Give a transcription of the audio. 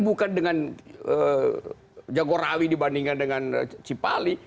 bukan dengan jagorawi dibandingkan dengan cipali